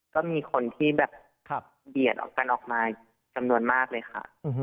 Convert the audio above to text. ก็มีคนที่แบบเบียดออกกันออกมาจำนวนมากเลยค่ะ